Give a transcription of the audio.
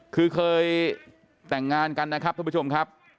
คือเคยแต่งงานกันนะครับท่านผู้ชมครับ